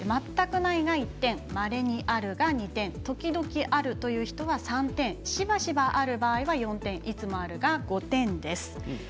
全くないが１点まれにあるが２点時々あるという人は３点しばしばある場合は４点いつもあるが５点です。